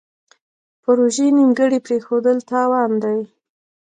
پروژې نیمګړې پریښودل تاوان دی.